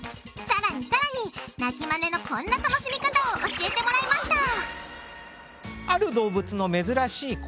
さらにさらに鳴きマネのこんな楽しみ方を教えてもらいました！